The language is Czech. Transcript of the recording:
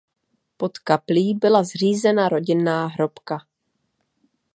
Pod kaplí byla zřízena rodinná hrobka.